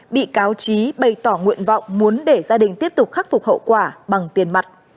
bị cáo trí bày tỏ nguyện vọng muốn để gia đình tiếp tục khắc phục hậu quả bằng tiền mặt